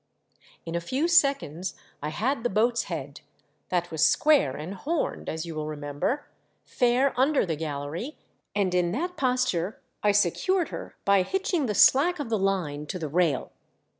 In a few seconds I had the boat's head — that was square and horned, as you will remember — fair under the gallery, and in that posture I secured her by hitching the slack of the line to the rail.